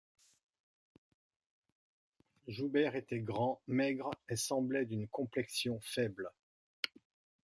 Joubert était grand, maigre et semblait d'une complexion faible.